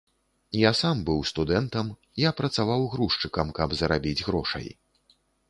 Я сам быў студэнтам, я працаваў грузчыкам, каб зарабіць грошай.